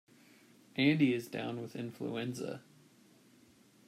Andy is down with influenza.